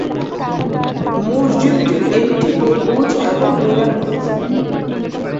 মসজিদটির একটি গম্বুজ এবং মিনার রয়েছে।